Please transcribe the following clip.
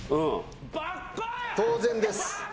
当然です。